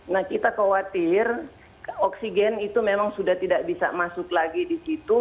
nah kita khawatir oksigen itu memang sudah tidak bisa masuk lagi di situ